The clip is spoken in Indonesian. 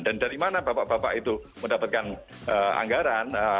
dan dari mana bapak bapak itu mendapatkan anggaran